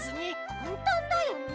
かんたんだよね？